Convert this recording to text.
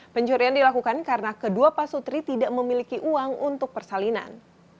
pencurian dilakukan karena kedua pasutri tidak memiliki uang untuk persalinan